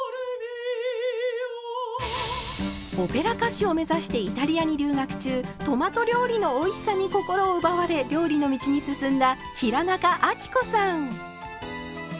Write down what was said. オペラ歌手を目指してイタリアに留学中トマト料理のおいしさに心を奪われ料理の道に進んだ平仲亜貴子さん。